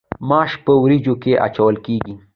ماش په وریجو کې اچول کیږي.